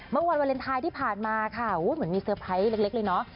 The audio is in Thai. เมื่อวันวาเลนไทยที่ผ่านมาค่ะเหมือนมีเซอร์ไพรส์เล็กเลยเนาะ